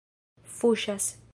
fuŝas